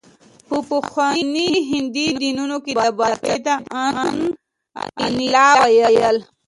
په پخواني هندي دینونو کې د باد څپې ته انیلا ویل